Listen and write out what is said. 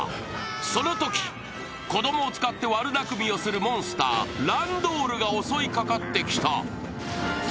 そのとき、子供を使って悪だくみをするモンスター、ランドールが襲いかかってきた。